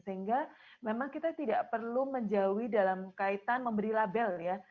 sehingga memang kita tidak perlu menjauhi dalam kaitan memberi label ya